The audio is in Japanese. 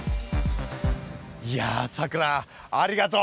いやさくらありがとう。